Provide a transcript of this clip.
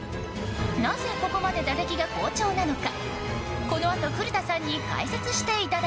なぜここまで打撃が好調なのか。